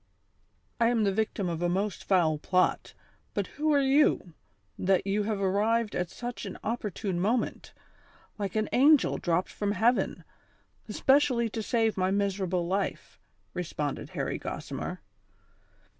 " I am the victim of a most foul plot ; but who are you, that you have arrived at such an opportune moment, like an angel dropped from heaven, specially to save my miser able life V " responded Harry Gossimer.